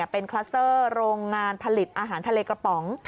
เป็นคลัสเตอร์โรงงานผลิตอาหารทะเลกระป๋อง